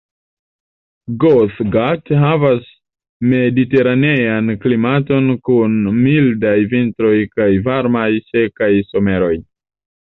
South Gate havas mediteranean klimaton kun mildaj vintroj kaj varmaj, sekaj someroj.